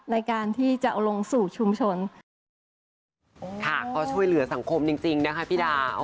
ในการที่จะเอาลงสู่ชุมชนค่ะก็ช่วยเหลือสังคมจริงจริงนะคะพี่ดาว